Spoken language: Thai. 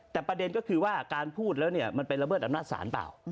แต่ประเด็นก็คือว่าการพูดแล้วเนี่ยมันเป็นระเบิดอำนาจศาลเปล่า